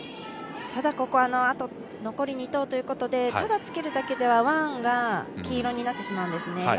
ただ、ここはあと残り２投ということでただつけるだけではワンが黄色になってしまうんですね。